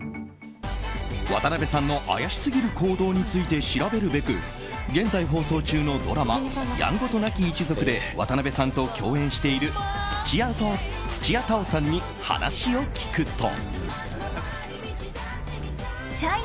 渡邊さんの怪しすぎる行動について調べるべく現在放送中のドラマ「やんごとなき一族」で渡邊さんと共演している土屋太鳳さんに話を聞くと。